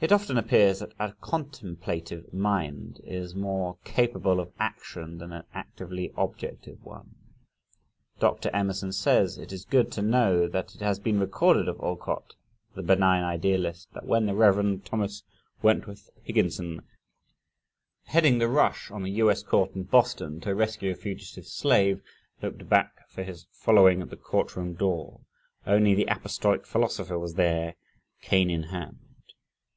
It often appears that a contemplative mind is more capable of action than an actively objective one. Dr. Emerson says: "It is good to know that it has been recorded of Alcott, the benign idealist, that when the Rev. Thomas Wentworth Higginson, heading the rush on the U.S. Court House in Boston, to rescue a fugitive slave, looked back for his following at the court room door, only the apostolic philosopher was there cane in hand."